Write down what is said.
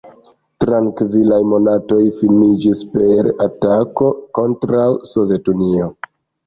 Trankvilaj monatoj finiĝis per atako kontraŭ Sovetunio.